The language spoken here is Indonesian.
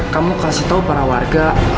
kamu kasih tahu para warga